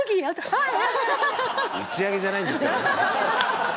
はい。